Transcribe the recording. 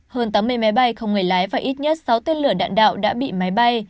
hơn tám mươi máy bay không người lái và ít nhất sáu tên lửa đạn đạo đã bị máy bay